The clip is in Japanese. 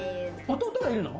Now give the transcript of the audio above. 弟がいるの？